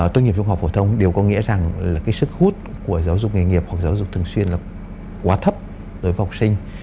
tốt nghiệp trung học phổ thông đều có nghĩa rằng là cái sức hút của giáo dục nghề nghiệp hoặc giáo dục thường xuyên là quá thấp đối với học sinh